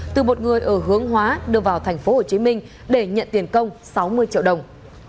từ một người ở hướng hóa đưa vào thành phố hồ chí minh để nhận tiền công sáu mươi triệu đồng